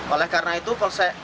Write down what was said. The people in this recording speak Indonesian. oleh karena itu polsek